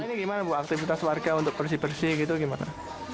ini gimana bu aktivitas warga untuk bersih bersih gitu gimana